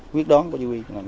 quyết đón của chỉ huy